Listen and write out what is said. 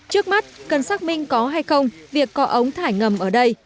trước mắt cần xác minh có hay không việc có ống thải ngầm ở đây